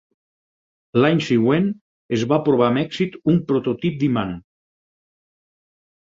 L'any següent es va provar amb èxit un prototip d'imant.